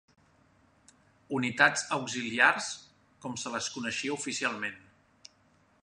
Unitats auxiliars, com se les coneixia oficialment.